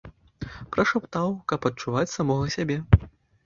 Прашаптаў, каб адчуваць самога сябе.